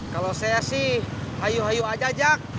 kalau saya sih hayu hayu aja jak